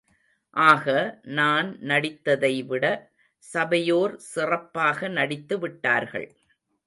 ஆக நான் நடித்ததைவிட சபையோர் சிறப்பாக நடித்து விட்டார்கள்.